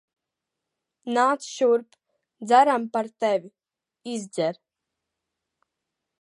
Nāc šurp. Dzeram par tevi. Izdzer.